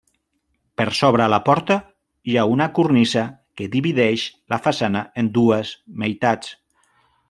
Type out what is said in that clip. Per sobre la porta hi ha una cornisa que divideix la façana en dues meitats.